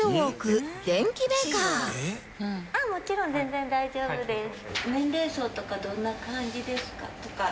もちろん全然大丈夫です。